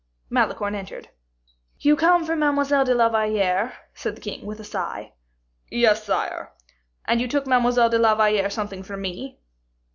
Malicorne entered. "You come from Mademoiselle de la Valliere?" said the king, with a sigh. "Yes, sire." "And you took Mademoiselle de la Valliere something from me?"